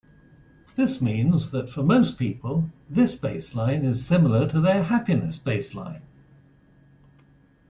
This means that for most people, this baseline is similar to their happiness baseline.